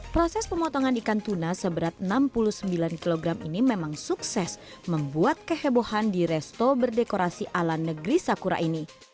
proses pemotongan ikan tuna seberat enam puluh sembilan kg ini memang sukses membuat kehebohan di resto berdekorasi ala negeri sakura ini